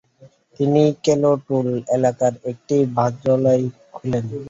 তিনি কেল টোল এলাকায় একটি বস্ত্রালয় খোলেন।